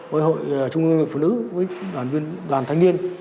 với hội trung ương phụ nữ với đoàn thanh niên